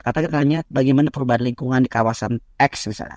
kita tanya bagaimana perubahan lingkungan di kawasan x misalnya